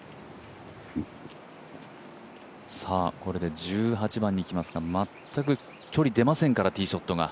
これで１８番に来ますが全く距離出ませんからティーショットが。